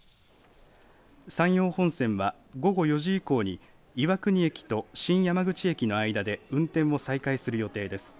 山陽本線は午後４時以降に岩国駅と新山口駅の間で運転を再開する予定です。